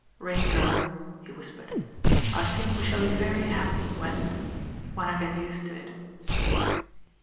"Rain Girl," he whispered, "I think we shaU b« very happy when— when I get used to it."